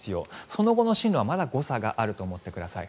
その後の進路はまだ誤差があると思ってください。